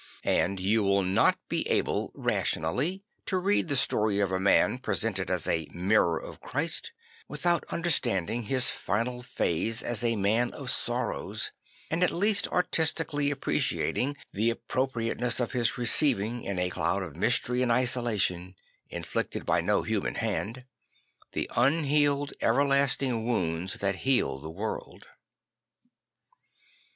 And you will not be able rationally to read the story of a man presented as a Mirror of Christ without understanding his final phase as a Man of Sorrows, and at least artistically appreciating the appropriateness of his receiving, in a cloud of mystery and isolation, inflicted by no human hand, the unhealed everlasting wounds that heal the world.